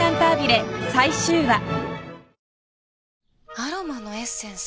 アロマのエッセンス？